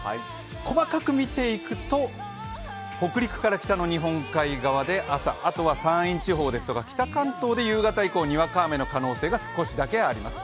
細かく見ていくと、北陸から北の日本海側で朝、山陰地方ですとか北関東で夕方以降、にわか雨の可能性が、少しだけあります。